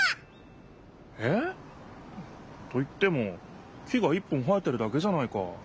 えっ？と言っても木が１本生えてるだけじゃないか。